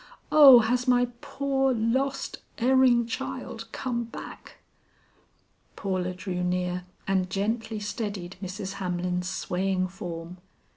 Oh, has my poor, lost, erring child come back?" Paula drew near and gently steadied Mrs. Hamlin's swaying form.